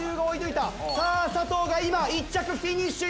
さあ佐藤が今１着フィニッシュ！